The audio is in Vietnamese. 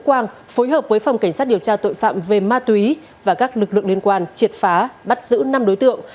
quang phối hợp với phòng cảnh sát điều tra tội phạm về ma túy và các lực lượng liên quan triệt phá bắt giữ năm đối tượng